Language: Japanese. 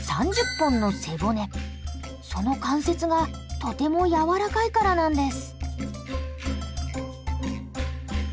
その関節がとても柔らかいからなんです。